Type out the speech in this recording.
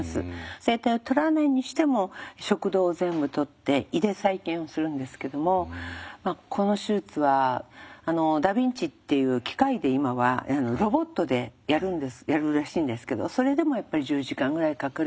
声帯を取らないにしても食道を全部取って胃で再建をするんですけどもこの手術はダヴィンチっていう機械で今はロボットでやるらしいんですけどそれでもやっぱり１０時間ぐらいかかる。